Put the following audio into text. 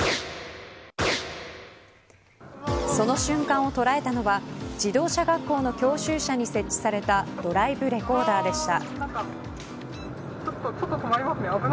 その瞬間を捉えたのは自動車学校の教習車に設置されたドライブレコーダーでした。